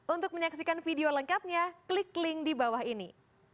untuk menyaksikan video lengkapnya klik link di bawah ini